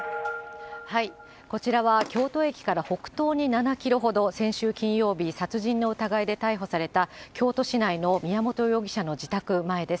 こちらは京都駅から北東に７キロほど、先週金曜日、殺人の疑いで逮捕された京都市内の宮本容疑者の自宅前です。